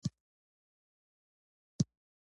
هغه تړون لاسلیک کړ.